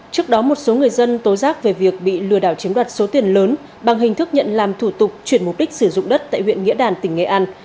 trước đó một số người dân tố giác về việc bị lừa đảo chiếm đoạt số tiền lớn bằng hình thức nhận làm thủ tục chuyển mục đích sử dụng đất tại huyện nghĩa đàn tỉnh nghệ an